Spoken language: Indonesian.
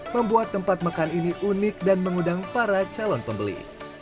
membuat tempat makan ini unik dan mengundang para calon pembeli